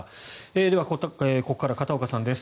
では、ここから片岡さんです。